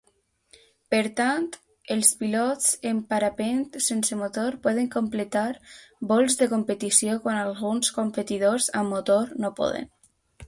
Per tant, els pilots en parapent sense motor poden completar vols de competició quan alguns competidors amb motor no poden.